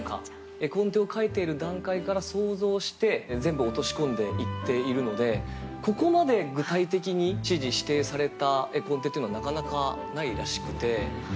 絵コンテを描いている段階から想像して全部落とし込んで行っているのでここまで具体的に指示指定された絵コンテというのはなかなかないらしくて。